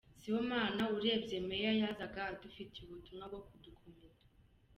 Sibomana: Urebye meya yazaga adufitiye ubutumwa bwo kudukomeza.